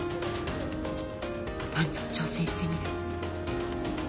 何でも挑戦してみる。